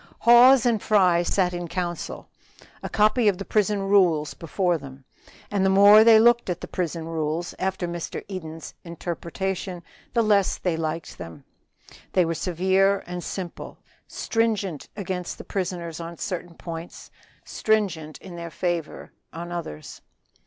HAWES and Fry sat in council. A copy of the prison rules was before them, and the more they looked at them after Mr. Eden's interpretation, the less they liked them: they were severe and simple; stringent against the prisoners on certain points; stringent in their favor on others.